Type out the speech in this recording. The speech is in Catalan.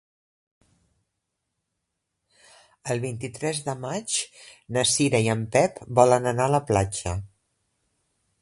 El vint-i-tres de maig na Cira i en Pep volen anar a la platja.